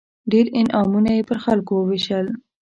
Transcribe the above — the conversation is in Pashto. ډېر انعامونه یې پر خلکو ووېشل.